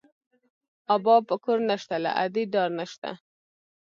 ابا په کور نه شته، له ادې ډار نه شته